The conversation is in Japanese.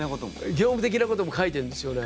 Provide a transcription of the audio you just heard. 業務的なことも書いてんですよね。